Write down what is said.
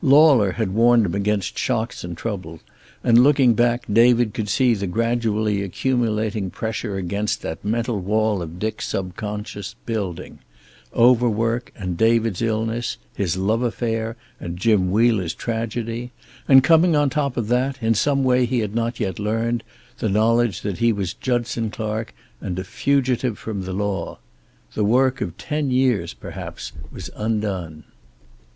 Lauler had warned him against shocks and trouble, and looking back David could see the gradually accumulating pressure against that mental wall of Dick's subconscious building; overwork and David's illness, his love affair and Jim Wheeler's tragedy, and coming on top of that, in some way he had not yet learned, the knowledge that he was Judson Clark and a fugitive from the law. The work of ten years perhaps undone.